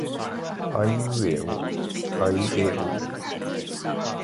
あいうえおあいえおう。